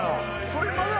これまだ。